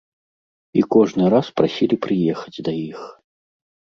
І кожны раз прасілі прыехаць да іх.